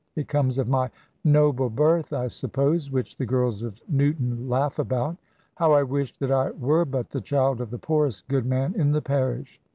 It comes of my 'noble birth,' I suppose, which the girls of Newton laugh about. How I wish that I were but the child of the poorest good man in the parish!